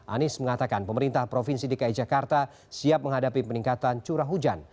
anies mengatakan pemerintah provinsi dki jakarta siap menghadapi peningkatan curah hujan